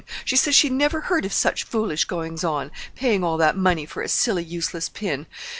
She says she never heard of such foolish goings on—paying all that money for a silly, useless pin.